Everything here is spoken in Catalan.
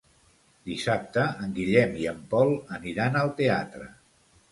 Dissabte en Guillem i en Pol aniran al teatre.